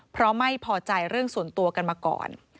เพราะไม่พอใจเรื่องส่วนตัวกันมาก่อน